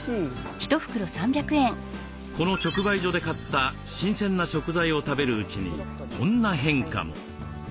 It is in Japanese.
この直売所で買った新鮮な食材を食べるうちにこんな変化も。